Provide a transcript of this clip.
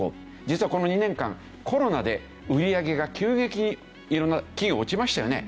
実はこの２年間コロナで売り上げが急激に色んな企業落ちましたよね？